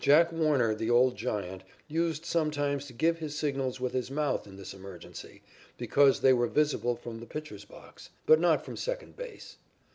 Jack Warner, the old Giant, used sometimes to give his signals with his mouth in this emergency, because they were visible from the pitcher's box, but not from second base.